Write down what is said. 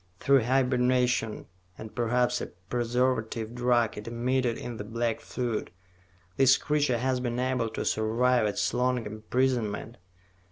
Through hibernation and perhaps a preservative drug it emitted in the black fluid, this creature has been able to survive its long imprisonment.